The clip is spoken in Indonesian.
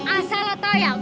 asal lo tau ya